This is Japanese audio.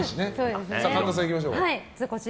では神田さん、いきましょうか。